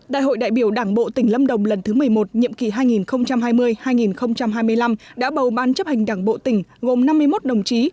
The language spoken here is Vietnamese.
đại hội đại biểu đảng bộ tỉnh lâm đồng lần thứ một mươi một nhiệm kỳ hai nghìn hai mươi hai nghìn hai mươi năm đã bầu ban chấp hành đảng bộ tỉnh gồm năm mươi một đồng chí